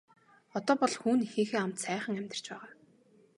Одоо бол хүү нь эхийнхээ хамт сайхан амьдарч байгаа.